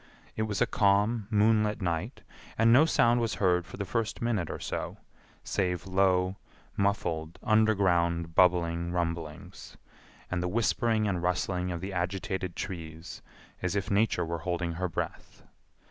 It was a calm moonlight night, and no sound was heard for the first minute or so, save low, muffled, underground, bubbling rumblings, and the whispering and rustling of the agitated trees, as if Nature were holding her breath.